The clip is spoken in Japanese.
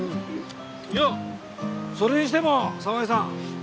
いやそれにしても沢井さん